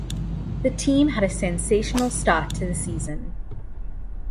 The team had a sensational start for the season.